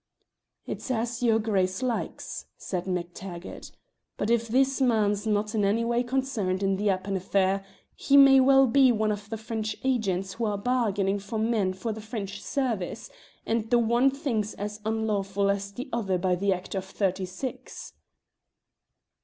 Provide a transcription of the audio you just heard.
"It's as your Grace likes," said MacTaggart. "But if this man's not in any way concerned in the Appin affair, he may very well be one of the French agents who are bargaining for men for the French service, and the one thing's as unlawful as the other by the act of 'thirty six."